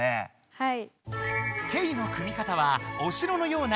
はい。